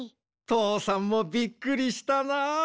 とうさんもびっくりしたなあ。